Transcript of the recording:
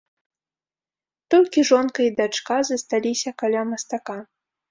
Толькі жонка і дачка засталіся каля мастака.